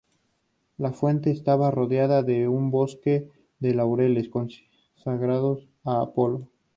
La fuente estaba rodeada de un bosque de laureles consagrados a Apolo.